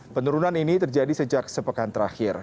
penurunan ini terjadi sejak sepekan terakhir